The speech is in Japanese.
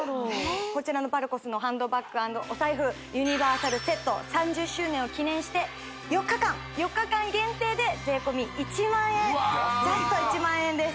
こちらのバルコスのハンドバッグ＆お財布ユニバーサルセット３０周年を記念して４日間ジャスト１万円です